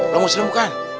lu muslim bukan